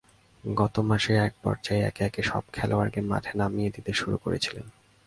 গত ম্যাচে একপর্যায়ে একে একে সব খেলোয়াড়কে মাঠে নামিয়ে দিতে শুরু করেছিলেন।